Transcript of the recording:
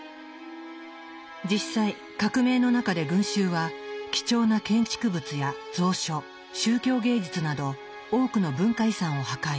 実際革命の中で群衆は貴重な建築物や蔵書宗教芸術など多くの文化遺産を破壊。